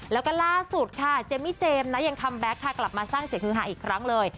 แล้วก็ล่าสุดค่ะเจมมี่เจมส์นะยังคัมแบ็คค่ะกลับมาสร้างเสียงฮือหาอีกครั้งเลย